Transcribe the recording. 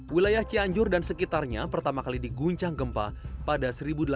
wilayah cianjur dan sekitarnya pertama kali diguncang gempa pada seribu delapan ratus